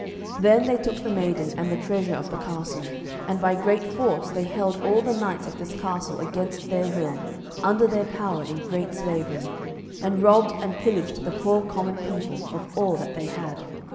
Then they took the maiden and the treasure of the castle, and by great force they held all the knights of this castle against their will under their power in great slavery, and robbed and pillaged the poor common people of all that they had.